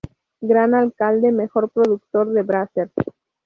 Gran alcalde, mejor productor de Brazzers.